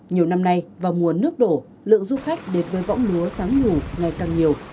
nhiều năm nay vào mùa nước đổ lượng du khách đến với võng lúa sáng nhù ngày càng nhiều